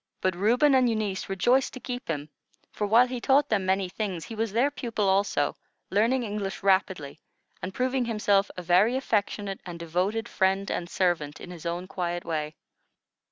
But Reuben and Eunice rejoiced to keep him; for while he taught them many things, he was their pupil also, learning English rapidly, and proving himself a very affectionate and devoted friend and servant, in his own quiet way.